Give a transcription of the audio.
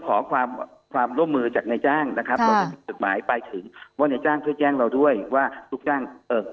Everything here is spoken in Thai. ขอความร่วมมือจากในจ้างนะครับจุดหมายปลายถึงว่าในจ้างเพื่อแจ้งเราด้วยว่าลูกจ้าง